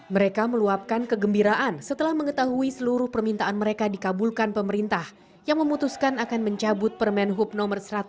mereka meluapkan kegembiraan setelah mengetahui seluruh permintaan mereka dikabulkan pemerintah yang memutuskan akan mencabut permen hub no satu ratus delapan puluh